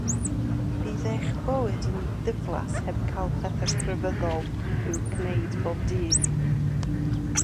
Bydd eich bywyd yn ddiflas heb cael pethau crefyddol i'w gwneud pob dydd.